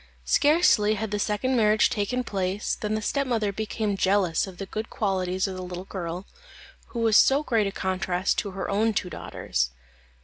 Scarcely had the second marriage taken place, than the stepmother became jealous of the good qualities of the little girl, who was so great a contrast to her own two daughters.